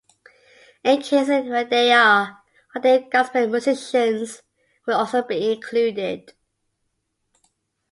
In cases where they are ordained Gospel musicians will also be included.